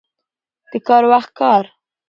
د کار وخت کار.